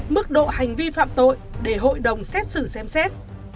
mức độ hành vi phạm tội để hội đồng xét xử xem xét